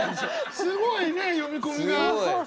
すごいね読み込みが。